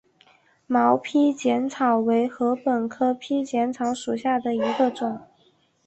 毛披碱草为禾本科披碱草属下的一个种。